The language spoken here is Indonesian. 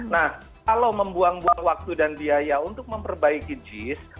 nah kalau membuang buang waktu dan biaya untuk memperbaiki jis